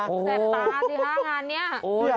แยบตาสี่ห้างานเนี่ย